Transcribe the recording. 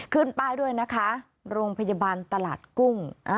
ขึ้นป้ายด้วยนะคะโรงพยาบาลตลาดกุ้ง